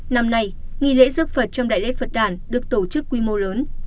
năm nay nghi lễ dấp phật trong đại lễ phật đàn được tổ chức quy mô lớn